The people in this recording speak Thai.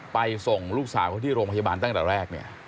ส่งลูกสาวเขาที่โรงพยาบาลตั้งแต่แรกเนี่ย